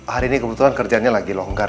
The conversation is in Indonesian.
hari ini kebetulan kerjanya lagi longgar